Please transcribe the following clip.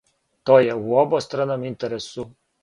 То је у обостраном интересу.